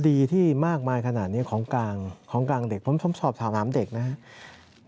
ดีที่มากมายขนาดนี้ของกลางของกลางเด็กผมสอบถามเด็กนะครับ